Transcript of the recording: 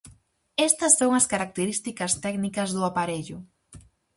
Estas son as características técnicas do aparello: